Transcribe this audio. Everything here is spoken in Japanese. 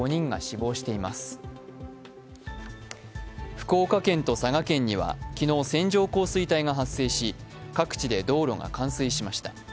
福岡県と佐賀県には昨日、線状降水帯が発生し、各地で道路が冠水しました。